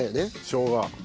しょうが。